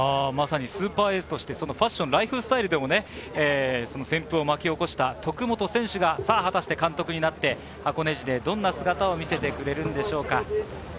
スーパーエースとしてファッション、ライフスタイルでも旋風を巻き起こした徳本選手が監督になって箱根路でどんな姿を見せてくれるのでしょうか。